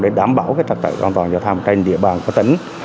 để đảm bảo trật tự an toàn giao thông trên địa bàn của tỉnh